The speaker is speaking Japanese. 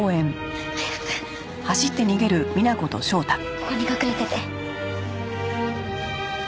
ここに隠れてて。